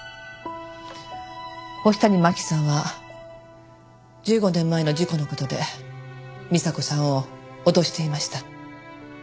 星谷真輝さんは１５年前の事故の事で美紗子さんを脅していました。